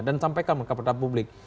dan sampai ke mereka kepada publik